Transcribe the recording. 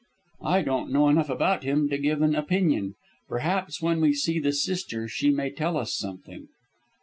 "I don't know enough about him to give an opinion. Perhaps when we see the sister she may tell us something."